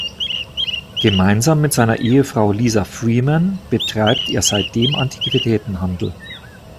Gemeinsam mit seiner Ehefrau Lisa Freeman betreibt er seitdem Antiquitätenhandel.